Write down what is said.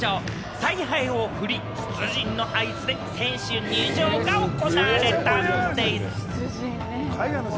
采配をふり、出陣の合図で、選手入場が行われたんでぃす。